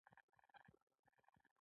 بیا به مو په تبرګي غوڅه کړه.